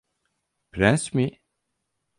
Prens mi?